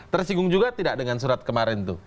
tersinggung juga tidak dengan surat kemarin itu